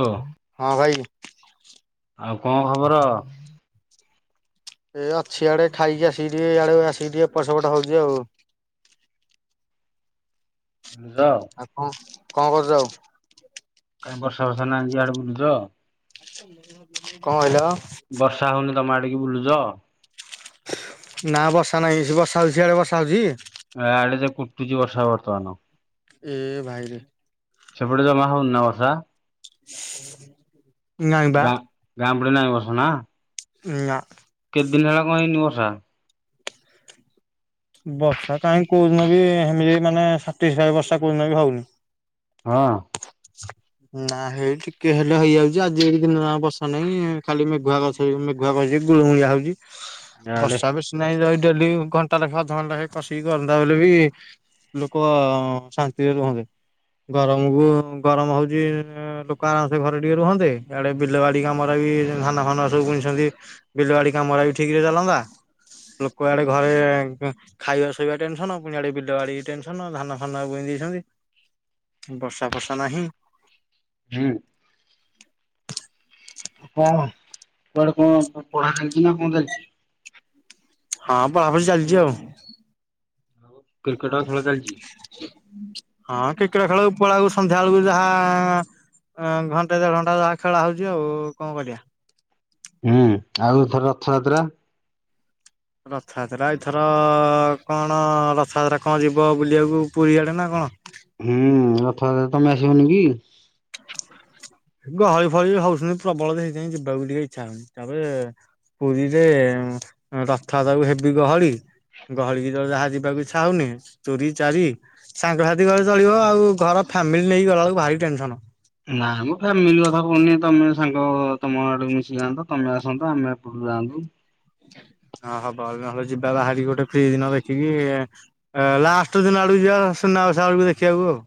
ଓ ହଁ ଭାଇ ଆଉ କଣ ଖବର? ଏ ଅଛି ଇଆଡେ ଖାଇକି ଆସିକି ଟିକେ ଆଡେ ଆସିକି ଟିକେ ଏପଟ ସେପଟ ହଉଛି ଆଉ। ବୁଝାଉ [unintelligible] ଆଉ କଣ କଣ କରୁଛ ଆଉ। କାଇଁ ବର୍ଷ ବର୍ଷା ନାଇ କି ଇଆଡେ ବୁଲୁଛ। କଣ କହିଲ? ବର୍ଷା ହଉନି ତମ ଆଡେ କି ବୁଲୁଛ? ନା ବର୍ଷା ନାହିଁ ସେ ବର୍ଷା ହେଉଛିି ସିଆଡ଼େ ବର୍ଷା ହେଉଛି? ଆଡେ ଯେ କୁଟୁଛି ବର୍ଷା ବର୍ତ୍ତମାନ। ଏ ଭାଇରେ ସେପଟେ ଜମା ହଉନି ନା ବର୍ଷା? ନାଇଁ ବା ଗାଁ ଗାଁ ପଟେ ନାଇ ବର୍ଷା ନା। ନାଁ। କେତେ ଦିନ ହେଲା କଣ ହେଇନି ବର୍ଷା? ବର୍ଷା କାଇଁ କୋଉଦିନ ବି ସେମିତି ମାନେ ଷାଟିସଫାଏ ବର୍ଷା କୋଉଦିନ ବି ହଉନି? ହଁ। ନାଁ ହେଇ ଟିକେ ହେଲେ ହେଇଯାଉଛି ଆଜି ଏଠି ଦିନ ଜାଗା ବର୍ଷା ନାହିଁ ଖାଲି ମେଘୁଆ ଅଛି। ସେ ମେଘୁଆ କରିଛି ଗୁଳଗୁଳିଆ ହଉଛି ଇଆଡେ ବର୍ଷା ବେଶୀ ନାଇଁ ରହି ଡେଲି ଘଣ୍ଟା ଲେଖେ ଅଧଘଣ୍ଟା ଲେଖେ କସିକି ହନ୍ତା ବୋଲି ବି ଲୋକ ଶାନ୍ତିରେ ରୁହନ୍ତେ ଗରମକୁ ଗରମ ହଉ ଲୋକ ଆରାମସେ ଘରେ ଟିକେ ରୁହନ୍ତେ ଇଆଡେ ବିଲ ବାଡି କାମରେ ବି ଧାନ ଫାନ ସବୁ ବୁଣିଛନ୍ତି ବିଲ ବାଡି କାମଗୁଡା ବି ଠିକରେ ଚାଲନ୍ତା ଲୋକ ଆଡେ ଘରେ ଖାଇବା ଶୋଇବା ଟେନସନ ପୁଣି ଇଆଡେ ବିଲ ଆଡେ଼ ଟେନସନ ଧାନ ଫାନ ବୁଣି ଦେଇଛନ୍ତି। ବର୍ଷା ଫର୍ଷା ନାହିଁ। ହୁଁ। କଣ କୁଆଡେ କଣ ପଢା ଚାଲିଛି ନା କଣ ଚାଲିଛି? ହଁ ପଢ଼ାପଢି ଚାଲିଛି ଆଉ କ୍ରିକେଟ ଆ ଖେଳ ଚାଲିଛି ହଁ କ୍ରିକେଟ ଖେଳ ଉପରଆଳକୁ ସନ୍ଧ୍ୟା ବେଳକୁ ଯାହା ଅ ଘଣ୍ଟେ ଦେଢ ଘଣ୍ଟା ଯାହା ଖେଳ ହଉଛି ଆଉ କଣ କରିବା? ହୁଁ ଆଉ ଏଥର ରଥଯାତ୍ରା। ରଥଯାତ୍ରା ଏଥର କଣ ରଥଯାତ୍ରା କଣ ଯିବ ବୁଲିବାକୁ ପୁରୀଆଡ଼େ ନା କଣ? ହୁଁ ରଥଯାତ୍ରାରେ ତମେ ଆସିବନି କି? ଗହଳି ଫହଳି ହଉଛନ୍ତିି ପ୍ରବଳ ତ ହେଇଥି ପାଇଁ ଯିବାକୁ ଟିକେ ଇଚ୍ଛା ହଉନି ତାପରେ ପୁରୀରେ ରଥଯାତ୍ରାକୁ ହେବି ଗହଳି ଗହଳିକୁ ଯାହା ଯିବାକୁ ଇଚ୍ଛା ହଉନି ଚୋରି ଚାରି ସାଙ୍ଗସାଥି ଗଲେ ଚଳିବ ଆଉ ଘର ଫ୍ୟାମିଲି ନେଇକି ଗଲାବେଳକୁ ଭାରି ଟେନସନ। ନାଇଁ ମୁଁ ଫ୍ୟାମିଲି କଥା କହୁନି ତମେ ସାଙ୍ଗ ତମ ଆଡୁ ମିଶି ଯାଆନ୍ତ ତମେ ଆସନ୍ତ ଆମେ ଏପଟୁ ଯାଆନ୍ତୁ। ହଁ ହବ ବୋଲେ ନହେଲେ ଯିବା ବାହାରିକି ଗୋଟେ ଫ୍ରୀ ଦିନ ଦେଖିକି ଲାଷ୍ଟ ଦିନ ଆଡକୁ ଯିବା ସୁନା ବେଶ ବେଳକୁ ଦେଖିବାକୁ ଆଉ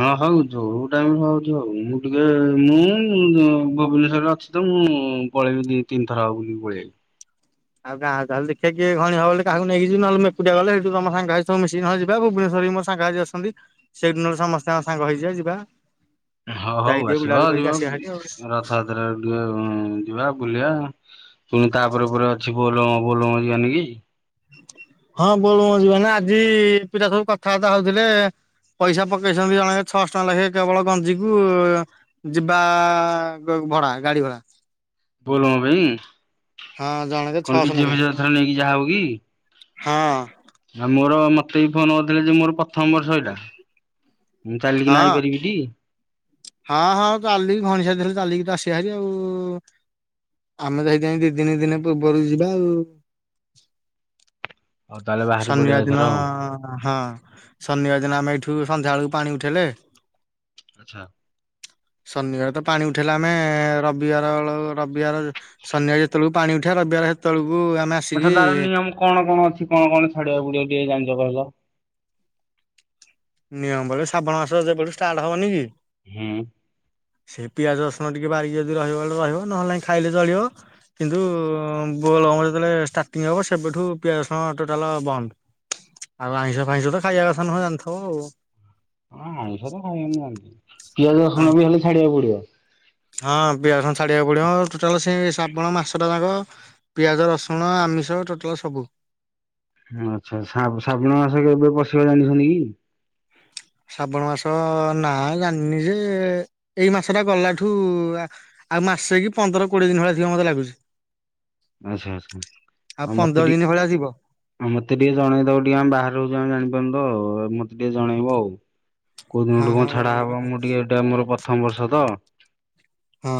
ହଁ ହଉ ଯୋଉ ଟାଇମ ହଉଛି ହଉ ମୁଁ ଟିକେ ମୁଁ ଭୁବନେଶ୍ଵରରେ ଅଛି ତ ମୁଁ ପଳେଇ ଦି ତିନିଥର ବୁଲିକି ପଳେଇଆଇବି। ଆଉ ଗାଁ ତାହାଲେ ଦେଖିବା କିିଏ ହବ ବୋଲି କାହାକୁ ନେଇକି ଯିବି ନହଲେ ମୁଁ ଏକୁଟିଆ ଗଲେ ତମ ସାଙ୍ଗ ସାଥୀ ମିଶିକି ନହେଲେ ଯିବା ଭୁବନେଶ୍ୱରରେ ମୋର ସାଙ୍ଗସାଥୀ ଅଛନ୍ତି ସେଇଠୁ ନହେଲେ ସମସ୍ତେ ସାଙ୍ଗ ହେଇଯାଇ ଯିବା ହଁ ଯାଇକି ହଉ ଟିକେ ଆସିବା ବୁଲାବୁଲି କରିକି ଯିବ ଆସିବା ହାରି ଆଉ। ରଥଯାତ୍ରା ଟିକେ ଯିବା ବୁଲିବା। ପୁଣି ତାପରେ ପରେ ଅଛି ବୋଲବମ ବୋଲମ ଯିବାନି କି? ହଁ ବୋଲବମ୍ ଯିବାନା ଆଜି ପିଲା ସବୁ କଥାବାର୍ତ୍ତା ହଉଥିଲେ। ପଇସା ପକେଇଛନ୍ତି ଜଣେକା ଛଅଶ ଟଙ୍କା ଲେଖେ କେବଳ ଗଞ୍ଜିକୁ ଯିବା ଭଡା ଗାଡି ଭଡା ବୋଲବମ୍ ପାଇଁ। ହଁ ଜଣକେ କଣ ଛଅଶହ ଡିଜେ ନେଖା ଏଥର ନେଇକି ଯାହା ହବ କି? ହଁ ଆ ମୋର ମତେ ବି ଫୋନ କରିଥିଲେ ଯେ ମୋର କ ପ୍ରଥମ ବର୍ଷ ଏଇଟା ମୁଁ ଚାଲିକିନା ହଁ ଆଇ ପାରିବିଟି? ହଁ ହଁ ଚାଲିକି ଘଣିଷା ସାଥିରେ ଚାଲିକି ତ ଆସିବା ହାରି ଆଉ ଆମେ ସେଇଥିପାଇଁ ଦି ତିନି ଦିନ ପୂର୍ବରୁ ଯିବା ଆଉ ହଉ ତାହେଲେ ବାହାରି ପଡିବା ଶନିବାର ଏଥର ଦିନ ଆଉ ହଁ ଶନିବାର ଦିନ ଆମେ ଏଇଠୁ ସନ୍ଧ୍ୟା ବେଳକୁ ପାଣି ଉଠେଇଲେ ଆଚ୍ଛା। ଶନିବାର ତ ପାଣି ଉଠେଇଲା ଆମେ ରବିବାର ରବିବାର ଶନିବାର ଯେତେବେଳକୁ ପାଣି ଉଠେଇବା ରବିବାର ହେତେବେଳକୁ ଆମେ ଆ ଆଚ୍ଛା ତାର ନିୟମ କଣ କଣ ଅଛି କଣ କଣ ଛାଡିବାକୁ ପଡିବ କିଏ ଜାଣିଛ କହିଲ? ନିୟମ ବୋଲେ ଶ୍ରାବଣ ମାସ ଯେବେଠୁ ଷ୍ଟାର୍ଟ ହବନି କି ହୁଁ। ସେ ପିଆଜ ରଶୁଣ ଟିକିଏ ବାରିକି ଯଦି ରହିବ ବୋଲେ ରହିବ ନହେଲେ ନାଇ ଖାଇଲେ ଚଳିବ। କିନ୍ତୁ ବୋଲବମ ଯେତେଳେ ଷ୍ଟାର୍ଟିଂ ହେବ ସେବେଠୁ ପିଆଜ ରଶୁଣ ଟୋଟାଲ ବନ୍ଦ। ଆଉ ଆଇଁଷ ଫାଇଁଷ ତ ଖାଇବା କଥା ନୁହେଁ ଜାଣିଥିବ ଆଉ ହ ଆଇଁଷ ତ ଖାଇ ବନି ମୁଁ ଜାଣିଛି। ପିଆଜ ଆଉ। ରସୁଣ ବି ହେଲେ ଛାଡିବାକୁ ପଡିବ? ହଁ ପିଆଜ ରଶୁଣ ଛାଡିବାକୁ ପଡିବ ଟୋଟାଲ ସେ ଶ୍ରାବଣ ମାସଟା ଯାଙ୍କ ପିଆଜ ରସୁଣ ଆମିଷ ଟୋଟାଲ ସବୁ। ଆଚ୍ଛା ଆଚ୍ଛା ସା ଶ୍ରାବଣ ମାସ କେବେ ପଶିବ ଜାଣିଛନ୍ତି କି? ଶ୍ରାବଣ ମାସ ନା ଜାଣିନି ଯେ ଏଇ ମାସ ଟା ଗଲା ଠୁ ଆ ଆଉ ମାସେ କି ପନ୍ଦର କୋଡିଏ ଦିନ ଭଳିଆ ଥିବା ମତେ ଲାଗୁଛି। ଆଚ୍ଛା ଆଚ୍ଛା ଆଉ ମତେ ପନ୍ଦର ଟିକେ ଦିନ ଭଳିଆ ଥିବ। ଆଉ ମତେ ଟିକେ ଜଣେଇଦବ ଟିକେ ଆମେ ବାହାରେ ରହୁଛୁ ଜାଣିପାରୁନୁ ତ ମତେ ଟିକେ ଜଣେଇବ ଆଉ। କୋଉ ହଁ ଦିନଠୁ କଣ ହଁ ଛାଡା ଗଣିବା ନା ହବ ମୁଁ ଟିକେ ଏଟା ମୋର ପ୍ରଥମ ବର୍ଷ ତ। ହଁ।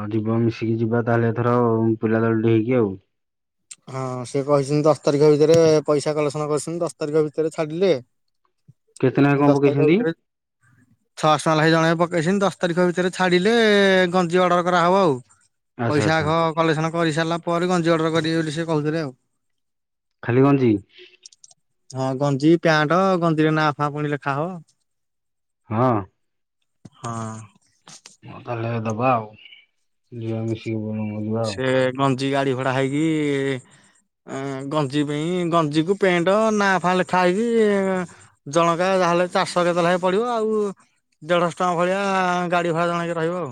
ଆଉ ଯିବା ମିଶିକି ଯିବା ତାହେଲେ ଏଥର ପିଲାଦଳ ଟେ ହେଇକି ଆଉ। ହଁ ସେ କହିଛନ୍ତି ଦଶ ତାରିଖ ଭିତରେ ପଇସା କଲେକ୍ସନ କରିଛନ୍ତି ଦଶ ତାରିଖ ଭିତରେ ଛାଡିଲେ କେତେ ଲେଖା କଣ ଦଶ ତାରିଖ ପକେଇଛନ୍ତି? ଭିତରେ ଛଅ ଶହ ଟଙ୍କା ଲାଖେ ଜଣ ପକେଇଛନ୍ତି ଦଶ ତାରିଖ ଭିତରେ ଛାଡିଲେ ଗଞ୍ଜି ଅର୍ଡର କରହେବ ଆଉ। ଆଚ୍ଛା ପଇସା ଆଚ୍ଛା ଆଘ କଲେକ୍ସନ କରିସାରିଲା ପରେ ଗଞ୍ଜି ଅର୍ଡର କର ବୋଲି ସେ କହୁଥିଲେ ଆଉ। ଖାଲିଗଞ୍ଜି? ହଁ ଗଞ୍ଜି ପ୍ୟାଣ୍ଟ ଗଞ୍ଜିରେ ନା ଫା ପୁଣି ଲେଖା ହବ। ହଁ। ହଁ। ହଁ ତାହେଲେ ଦବା ଆଉ ଯିବା ମିଶିକି ବୋଲବମ ଯିବା ଆଉ। ସେ ଗଞ୍ଜି ଗାଡି ଭଡା ହେଇକି ଗଞ୍ଜି ପେଇଁ ଗଞ୍ଜିକୁ ପେଣ୍ଟ ନା ଫା ଲେଖା ହେଇକି ଜଣକା ଯାହାହେଲେ ଚାରିଶହ କେତେ ଲେଖା ହେ ପଡିବ ଆଉ ଦେଢଶହ ଟଙ୍କା ଭଳିଆ ଗାଡି ଭଡ଼ା ଜଣେକେ ରହିବ ଆଉ।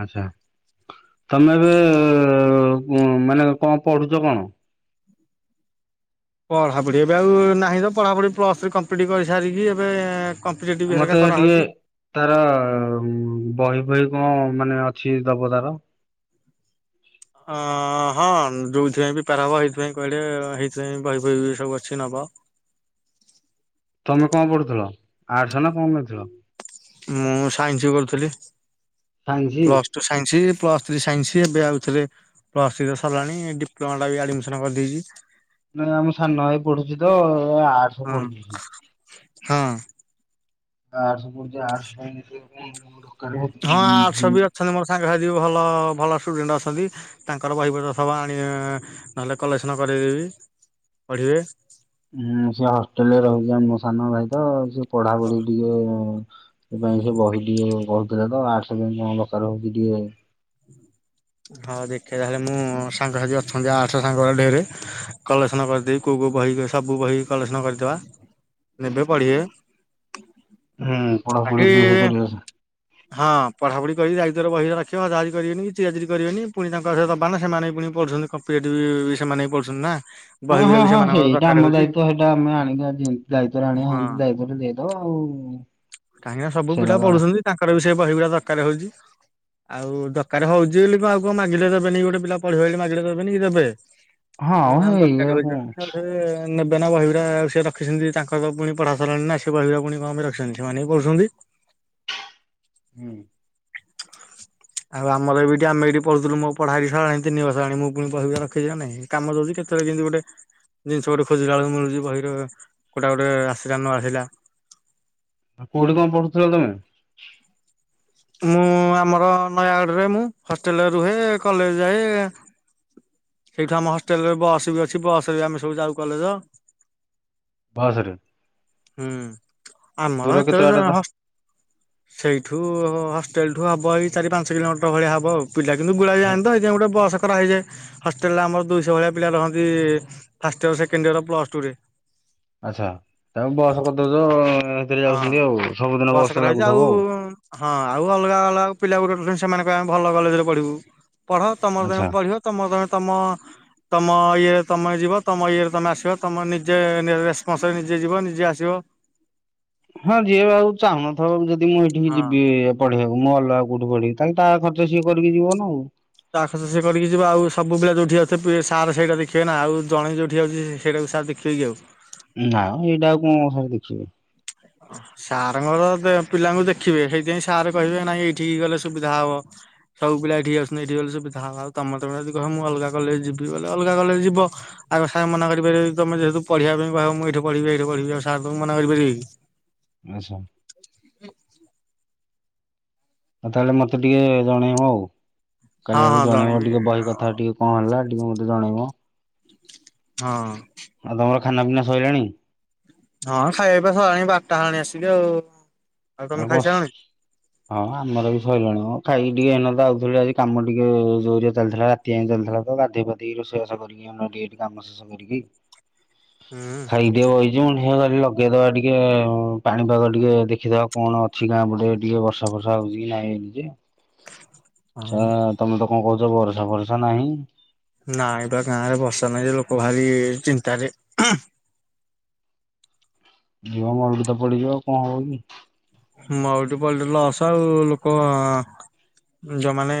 ଆଛା। ତମେ ଏବେ ମାନେ କଣ ପଢୁଛ କଣ? ପଢ଼ାପଢ଼ି ଏବେ ଆଉ ନାହିଁ ତ ପଢ଼ାପଢ଼ି ପ୍ଲସ୍ରୀ କମ୍ପ୍ଲିଟ୍ କରିସାରିକି ଏବେ କମ୍ପିଟେଟିଭ୍ ହେରିକା ମତେ ଟିକେ କରାହେଉଛି। ତାର ବହି ଫହି କଣ ମାନେ ଅଛି ଦବ ତାର ଅ ହଁ ଯୋଉଥିପାଇଁ ବି ପି ପାର ହବ ହେଇଥିପାଇଁ କହିଲେ ହେଇଥିପାଇଁ ବହି ଫହି ସବୁ ଅଛି ନବ। ତମେ କଣ ପଡୁଥିଲ ଆର୍ଟ୍ସ ନା କଣ ନେଇଥିଲ। ମୁଁ ସାଇନ୍ସି କରୁଥିଲି। ସାଇନ୍ସି। ତୁ ସାଇନ୍ସି ପ୍ଲସ ଥ୍ରୀ ସାଇନ୍ସି ଏବେ ଆଉଥରେ ପ୍ଲସ ଥ୍ରି ସରିଲାଣି ଡିପ୍ଲୋମା ଟା ବି ଆଡମିସନ କରିଦେଇଛି। ନାଇଁ ଆମ ସାନ ଭାଇ ପଢୁଛି ତ ଏ ଆର୍ଟ୍ସ ହଁ ପଢୁଛି। ହଁ। ଆର୍ଟ୍ସ ପଢୁଛି [unintelligible] ହଁ ଆର୍ଟସ ବି ଅଛନ୍ତି ମୋର ସାଙ୍ଗ ସାଥୀ ଭଲ ଭଲ ଷ୍ଟୁଡେଣ୍ଟ ଅଛନ୍ତି। ତାଙ୍କର ବହିପତ୍ର ସବ ଆଣି ନହେଲେ କଲେକ୍ସନ କରଇଦେବି ପଢିବେ। ହୁଁ ସେ ହଷ୍ଟେଲରେ ରହୁଛି ମୋ ସାନ ଭାଇ ତ ସେ ପଢାପଢି ଟିକେ ସେଥିପାଇ ସେ ବହି ଟିକେ କହୁଥିଲା ତ ଆର୍ଟ୍ସ ପାଇଁ କଣ ଦରକାର ହଉଛି ଟିକେ ହଁ ଦେଖିବା ତାହେଲେ ମୁଁ ସାଙ୍ଗସାଥି ଅଛନ୍ତି ଆର୍ଟ୍ସ ସାଙ୍ଗ ଢେରେ କଲେକ୍ସନ କରିଦେବି କୋଉ କୋଉ ବହି ସବୁ ବହି କଲେକ୍ସନ କରିଦେବା ନେବେ ପଢିବେ। ହୁଁ। ପଢାପଢି ବାକି ଟିକେ ସେ କରିବା ହଁ ପଢାପଢି କରିିକି ଦାୟିତ୍ୱରେ ବହିରା ରଖିବ। ହଜାହଜି କରିବେନି କି ଚିରାଚିରି କରିବେନି ପୁଣି ତାଙ୍କ ପାଖରେ ଦେବାନା ସେମାନେ ପୁଣି ପଢୁଛନ୍ତି କମ୍ପିଟେଟିଭ ସେମାନେ ବି ପଢୁଛନ୍ତି ନା ହଁ ହଁ ବହିଗୁରା ବି ହଁ ସେମାନଙ୍କର ସେଇଟା ଦରକାର ଆମ ହଉଛି ଦାୟିତ୍ୱ ସେଇଟା ଆମେ ଆଣିକି ଯେମତି ଦାୟିତ୍ଵରେ ଆଣିବା ହଁ ହେମିତି ଦାୟିତ୍ୱରେ ଦେଇ ତ ଆଉ। କାହିଁକିନା ସବୁ ସେରା ପିଲା ଆଉ ପଢୁଛନ୍ତି ତାଙ୍କର ବି ସେ ବହିିଗୁଡା ଦରକାର ହୋଉଛି। ଆଉ ଦରକାର ହୋଉଛି ବୋଲି ଆଉ କଣ ମାଗିଲେ ଦେବେନିକି ଗୋଟେ ପିଲା ପଢ଼ିବାକୁ ମାଗିଲେ ଦେବେନି କି ଦେବେ। ଉ ହଁ ତାଙ୍କ ହେଇ ଦରକାର ଆଉ କଣ ହୋଉଚି [unintelligible] ତାପରେ ନେବେନା ବହିିଗୁରା ଆଉ ସେ ରଖିଛନ୍ତି ତାଙ୍କର ପୁଣି ପଢା ସାରଲାଣି ନା ସେ ବହଗୁରା ପୁଣି କଣ ପାଇଁ ରଖିଛନ୍ତି। ସେମାନେ ହିଁ ପଢୁଛନ୍ତି। ହୁଁ। ଆଉ ଆମର ଏ ବିି ଏଇଠି ଆମେ ଏଇଠି ପଢୁଥିଲୁ ମୋ ପଢା ଏଇଠି ସରିଲାଣି ତିନି ବର୍ଷ ହେଲାଣି ମୁଁ ପୁଣି ବହିଗୁରା ରଖିଛି ନା ନାଇଁ। କାମ ଦୋଉଛି କେତେବେଳେ କେମିତି ଗୋଟେ ଜିନିଷ ଗୋଟେ ଖୋଜିଲା ବେଳକୁ ମିଳୁଛି ବହିର ଗୋଟା ଗୋଟେ ଆଶୀଲା ନ ଆସିଲା। ଆଉ କୋଉଠି କଣ ପଢୁଥିଲ ତମେ? ମୁଁ ଆମର ନୟାଗଡ଼ରେ ମୁଁ ହଷ୍ଟେଲରେ ରୁହେ କଲେଜ ଯାଏ ସେଇଠୁ ଆମ ହଷ୍ଟେଲରେ ବସ୍ ବି ଅଛି ବସ ରେ ବି ଆମେ ସବୁ ଯାଉ କଲେଜ। ବସରେ? ହୁଁ ଦୂର ଆମର କେତେ ବାଟ ହେତେବେଳେ ତ ହଷ୍ଟ ସେଇଠୁ ହଷ୍ଟେଲଠୁ ହବ ଏଇ ଚାରି ପାଞ୍ଚ କିଲୋମିଟର ଭଳିଆ ହବ ଆଉ। ପିଲା କିନ୍ତୁ ଗୁଡ଼ାଏ ଯାଆନ୍ତି ତ ହେଥିପାଇଁ ଗୋଟେ ବସ କରାହେଇଯାଏ। ହଷ୍ଟେଲ୍ରରେ ଆମର ଦୁଇଶହ ଭଳିଆ ପିଲା ରହନ୍ତି first year second year plus ଟୁରେ। ଆଚ୍ଛା ତା ବସ କରିଦୋଉଚ ସେଥିରେ ହଁ ଯାଉଛନ୍ତି ଆଉ ସବୁଦିନ ବସ୍ ବସ ଟା କରାହେଇଛି ଲାଗୁଥିବ ଆଉ। ହଁ ଆଉ ଅଲଗା ଅଲଗା ପିଲା ଗୋଟେ ଗୋଟେ ଅଛନ୍ତି ସେମାନେ କହିବେ ଆମେ ଭଲ କଲେଜରେ ପଢିବୁ ପଢ ତମର ତମେ ଆଚ୍ଛା। ପଢିବ। ତମର ତମେ ତମ। ତମ ଇଏରେ ତୁମେ ଯିବ ତମ ଇଏରେ ତମେ ଆସିବ ତୁମ ନିଜେ ରେସ୍ପନ୍ସରେ ନିଜେ ଯିବ ନିଜେ ଆସିବ। ହଁ ଯିଏ ଆଉ ଚାହୁଁନଥିବ ଯଦି ମୁଁ ଏଇଠିକି ହଁ ଯିବି ପଢେଇବାକୁ ମୁଁ ଅଲଗା କୋଉଠି ପ। ତାହେଲେ ତାହା ଖର୍ଚ ସିଏ କରିକି ଯିବ ନା ଆଉ। ଆଖ ଚାଷ କରିକି ଯିବ ଆଉ ସବୁ ପିଲା ଯୋଉଠି ଅଛନ୍ତି ସାର ସେଇଟା ଦେଖିବେ ନା ଆଉ ଜଣେ ଯୋଉଠି ଯାଉଚି ଆସେଇଟାକୁ ସ ଦେଖିବ ଠିକ୍ ଆଉ। ନାଁ ଏଇଟା ଆଉ କଣ ସରେ ଦେଖିବି? ହ ସାର ଙ୍କର ପିଲାଙ୍କୁ ଦେଖିବେ ସେଇଥିପାଇଁ ସାର୍ କହିବେ ନାଇଁ ଏଇଠିକି ଗଲେ ସୁବିଧା ହବ ସବୁପିଲା ଏଇଠିକ ଆସୁଛନ୍ତି ଏଠି ଗଲେ ସୁବିଧା ତମେ ଯଦି କହ ମୁଁ ଅଲଗା କଲେଜ ଯିବି ବୋଲେ ଅଲଗା କଲେଜ ଯିବ। ଆଉ ସାର୍ ମନା କରିପାରିବ ତମ ଯେହେତୁଢିବା ପାଇଁ କହିବ ମୁଁ ଏଠ ପଢିବି ଏଠି ପଢିବିଉ ସାର୍ ତେ ମେ କରିପାରିବି? ଆଛା। ହଁ। ଆଉ ତାହେଲେ ମତେ ଟିକେ ଜଣେଇବ ଆଉ କାଲି ହଁ ବେଳକୁ ହଁ ଜଣେଇବ ଜଣେଇବି ଟିକେ ବହି କଥା ଟିକେ କ ଣ ହେଲା ଟିକେ ମୋତେ ଜଣେଇବ। ହଁ। ଆଉ ତମର ଖାନା ପିନା ସଇଲାଣି? ହଁ ଖାଇବାପିଆ ସରିଲାଣି ବାରଟା ହେଲାଣି ଆସିଲି ଆଉ। ଆଉ ତମେ ଆଗସ ଖାଇସାରିଲଣି? ହଁ ଆମର ବି ସରିଲାଣି ମ ଖାଇକି ଟିକେ ଏନାତ ଆଉଥିଲି ଆଜି କାମ ଟିକେ ଜୋରିଆ ଚାଲିଥିଲା ରା କେଇ ଚାଲିଥିଲା ତ ଗାଧୋଇ ପାଧେଇକି ରୋଷେଇବାସ କରିକି ଆମର କାମ ଶେଷ କରିକି ହୁଁ ଖାଇକି ଟିକେ ବଇଛି। ମୁ କହିଲି ଏ କ ଲଗେଇଦବା ଟିକେ ପାଣିପାଗ ଟିକେ ଦେଖିଦବା। କଣ ଅଛି ଗାଁ ପଟେ ଟିକେ ବର୍ଷା ଫର୍ଷା ହଉଛି କି ନାଇଁ ହଁ [unintelligible] ତମେ ତ କଣ କହୁଛ ଭରସା ଭରସା ନାହିଁ। ନା ଏବେ ଗାଁ ରେ ବର୍ଷା ନାହିଁ ଯେ ଲୋକ ଭାରି ଚିନ୍ତାରେ। ଯିବା ମ ଅମୃତ ପଡିଯିବ ଆଉ କଣ ହବ କି? ମାଉଟି ପଡିଲୁ ଲସ ଆଉ ଲୋକ ଯୋଉମାନେ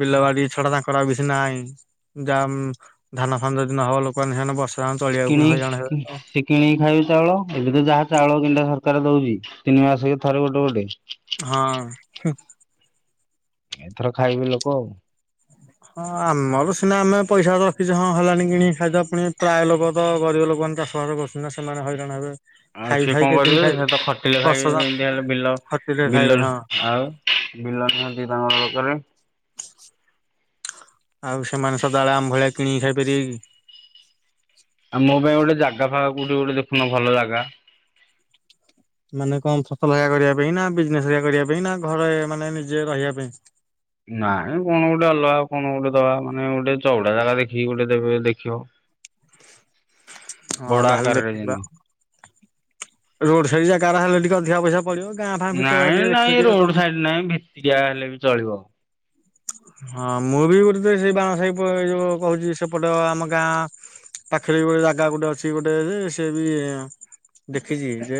ବିଲ ବାଡି ଛଡା ତାଙ୍କର ଆଉ ବେଶୀ ନହିଁ। ଯା ଧାନ ଫାନ ଯଦି ନହବ ଲୋକମାନେ ସେମାନେ ବର୍ଷା ହ ଚଳିବାକୁଣି ହଇରାଣ କିଣିକି ହେବେ ଆଉ। ସେ କିଣିକି ଖାଇବୁ ଚାଉଳ ଏବେ ତ ଯାହା ଚାଉଳ କିଣଟା ସରକାର ଦଉଛି ତିନି ମାସ ଥରେ ଗୋଟେ ଗୋଟେ। ହଁ। ଏଥର ଖାଇବି ଲୋକ ଆଉ। ହଁ ଆମର ସିନା ଆମେ ପଇସା ରଖିଛ ହଁ ହେଲାନି କିଣି ଖାଇଦବା ପୁଣି ପ୍ରାୟ ଲୋକ ତ ଗରିବ ଲୋକମାନେ ଚାଷବାସ କରୁ ନା ସେମାନେ ହଇରାଣ ହେବେ। ଆଉ ଖାଇ ସିଏ ଖାଇ କଣ କେତେ ଦିନ କରିବେ ଖାଇବେ ସେ ତ ଖଟିଲେ ବର୍ଷ ଯାକ ଖାଇମତି ହେଲେ ବିଲ ଖଟିଲେ ଖାଇବେ ବିଲରୁ ହଁ। ଆଉ। ବିଲରେ [unintelligible] ଦରକାରେ। ଆଉ ସେମାନେ ସଦାବେଳ ଆମ୍ଭ ଭଳିଆ କିଣିକି ଖାଇପାରିବେ କି? ଆଉ ମୋ ପାଇଁ ଗୋଟେ ଜାଗା ଫାଗା କୋଉଠି ଗୋଟେ ଦେଖୁନ ଭଲ ଜାଗା। ମାନେ କଣ ଫସଲ ହେଇା କରିବା ପାଇଁ ନା ବିଜନେସ ହେଇା କରିବା ପାଇଁ ନା ଘରେ ମାନେ ନିଜେ ରହିବା ପାଇଁ? ନାଇଁ କଣ ଗୋଟେ ଅଲଗା କଣ ଗୋଟେ ଦବା ମାନେ ଗୋଟେ ଚଉଡା ଜାଗା ଦେଖିକି ଗୋଟେ ଦେ ଦେଖିବ। ହଁ ବଡ ତାହାଲେ ଆକାରରେ ଦେଖିଜିବା। ଯେମିତି ରୋଡ ସାଇଜ ଯାଗା ରା ହେଲେ ଟିକେ ଅଧିକା ପଇସା। ପଳିବ ଗାଁ ଫା ନାଇଁ ନାଇଁ ରୋଡ ସାଇଡ ନାଇଁ ଭିତରଆ ହେଲେ ବି ଚଳିବ। ହଁ ମୁଁ ବି ଗୋଟେ ଥର ସେଇ ବାଣ ସାହି ଯୋଉ କହୁଛି ସେପଟେ ଆମ ଗାଁ ପାଖରେ ବି ଗୋଟେ ଜାଗା ଗୋଟେ ଅଛି ଗୋଟେ ସେ ବି ଦେଖିଛି ଯେ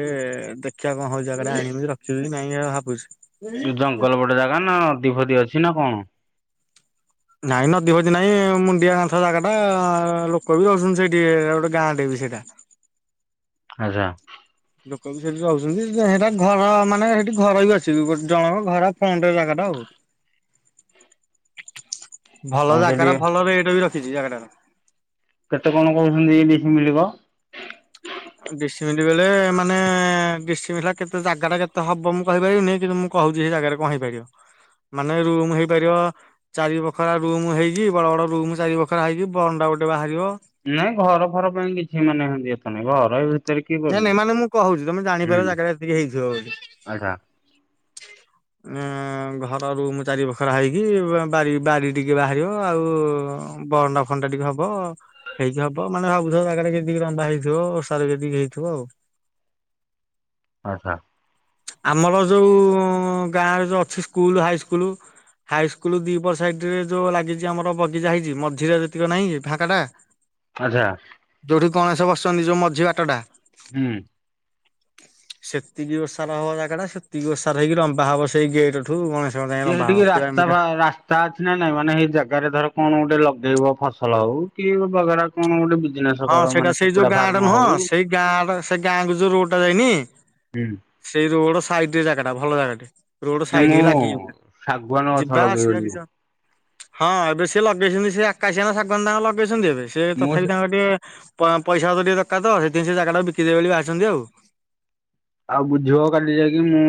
ଦେଖିବା କଣ ହଉ ଜାଗାଟା ଆଣି ରଖି ନାଇଁ ଭାବୁଛି। ଜଙ୍ଗଲ ଗୋଟେ ଜାଗା ନା ନଦୀ ଫଦୀ ଅଛି ନା କଣ? ନାଇଁ ନଦୀ ଫଦି ନାଇଁ ମୁଣ୍ଡିଆ ଅଂଶ ଜାଗା ଟା ଲୋକ ବି ରହୁଛନ୍ତି ସେଇଠି ଗୋଟେ ଗାଁ ଟେ ବି ସେଇଟା। ଆଚ୍ଛା। ଲୋକ ବି ସେଠି ରହୁଉଛନ୍ତି। ସେଟା ଘର ମାନେ ସେଠି ଘର ବି ଅଛି ଗୋଟେ ଜଣଙ୍କ ଘର ଫ୍ରଣ୍ଟ ଜାଗା ଟା ଆଉ। ଭଲ ଆଉ ଜାଗା ସେଠି ଟା ଭଲ ରେଟ ବି ରଖିଛି ଜାଗା ଟା ର। କେତେ କଣ କହୁଛନ୍ତି ଏଇ ନେଇ ମିଳିବ? ଡିସିମିଲି ବେଳେ ମାନେ ଡିସିମିଲି କେତେ ଜାଗା ଟା କେତେ ହବ ମୁଁ କହିପାରିବିନି କିୁନ୍ତୁ ମୁଁ କହୁଛି ସେ ଜାଗାରେ କଣ ହେଇପାରିବ ମାନେ ରୁମ ହେଇପାରିବ। ଚାରି ବଖରା ରୁମ ହେଇକି ବଡ ବଡ ରୁମ ଚାରି ବଖରା ହେଇକି ବରଣ୍ଡା ଗୋଟେ ବାହାରିବ। ନାଇଁ ଘର ଫର ପାଇଁ କିଛି ମାନେ ଏତି ଏତ ନାଇଁ ଘର ଏଇ ନା ନାଇଁ ମାନେ ମୁଁ କହୁଛି ତମେ ଜାଣିପାର ଜାଗା ଏତିକି ହେଇଥିବ ଆଚ୍ଛା ବୋଲି। ଘର ରୁମ ଚାରି ବଖରା ହେଇକି ବାରି ଟିକେ ବାହାରିବ ଆଉ ବରଣ୍ଡା ଫରଣ୍ଡା ଟିକେ ହବ ହେଇକି ହବ ମାନେ ଭାବୁଥିବ ଜାଗାରେ କେତିକି ରନ୍ଧା ହେଇଥିବ ଓସାରେ କେତିକି ହେଇଥିବ। ଥିବ ଆଉ। ଆଚ୍ଛା। ଆମର ଯୋଉ ଗାଁରେ ଯୋଉ ଅଛି ସ୍କୁଲ ହାଇ ସ୍କୁଲ। ହାଇସ୍କୁଲ ଦିପଟ ସାଇଡ ରେ ଯୋଉ ଲାଗିଛି ଆମର ବଗିଚା ହେଇଛି ମଝିରେ ଯେତିକି ନାହିଁ ଫାଙ୍କା ଟା ଆଚ୍ଛା। ଯେଉଁଠି ଗଣେଶ ବସିଛନ୍ତି ଯେଉଁ ମଝି ବାଟଟା। ହୁଁ। ସେତିକି ବର୍ଷ। ର ହବ ଜାଗା ସେତିକି ଓଷାର ହେଇକି ଲମ୍ବା ହବ ସେଇ ଗେଟ ଠୁ ଗଣେଶ ଦିଅ ସେଠିକି ରାସ୍ତା ରାସ୍ତାବା। ତା ଅଛି ନା ନାଇଁ ମାନେ ସେଇ ଜାଗାରେ ଧର କଣ ଗୋଟେ ଲଗେଇବ ଫସଲ ହଉ କି ବ ହଁ ସେଇଟା ସେଇ ଯୋଉ ଗାଁଟା ନୁହଁ ହଉ ସେଇ ଗାଁ ସେ ଗାଁ କ ଯୋଉ ରୋଡ ଟା ଯାଇନି। ହୁଁ। ସେଇ ରୋଡ଼ ସାଇଟ୍ ରେ ଜାଗାଟା ଭଲ ଜାଗାଟେ। ରୋଡ଼ ଯେ ମୁଁ ସାଇଟିକି ଲାଗିକି ପୁରା ଶାଗୁଆନ ଗଛ ଯିବା ଲଗେଇବି ଆସିବା ବୋଲି କିଛି ହଁ ଏବେ ସେ ଲଗେଇଛନ୍ତି ସିଏ ଆକାଶିଆ ନା ଶାଗୁଆନ ତାଙ୍କର ଲଗେଇଚନ୍ତି ଏବେ ସେ ମୁଁ ତଥାପି ତାଙ୍କ ଟେ ପ ପଇସାପତ୍ର ଟିକେ ଦରକାର୍ ତ ସେଥିପାଇଁ ସେ ଜାଗା ଟା ବିକି ଦେବେ ବୋଲି ବାହାରିଚନ୍ତି ଆଉ। ଆଉ ବୁଝିବ କାଲି ଯାଇକି ମୁଁ